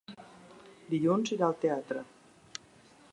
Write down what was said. Dilluns irà al teatre.